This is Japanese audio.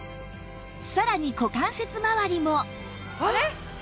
さらに股関節まわりも